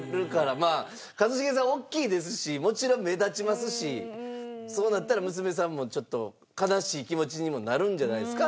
まあ一茂さん大きいですしもちろん目立ちますしそうなったら娘さんもちょっと悲しい気持ちにもなるんじゃないですか？